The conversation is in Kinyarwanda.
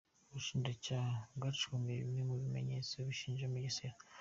Ubushinjacyaha bwacukumbuye bimwe mu bimenyetso bishinja Mugesera